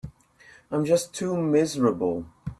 I'm just too miserable.